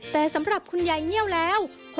แต่สำหรับคุณยายเงี่ยวแล้ว